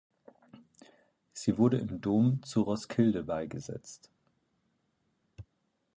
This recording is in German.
Sie wurde im Dom zu Roskilde beigesetzt.